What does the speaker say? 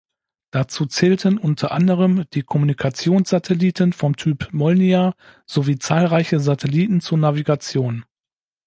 Dazu zählten unter anderem die Kommunikationssatelliten vom Typ Molnija sowie zahlreiche Satelliten zur Navigation.